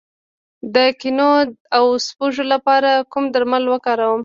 د کنو او سپږو لپاره کوم درمل وکاروم؟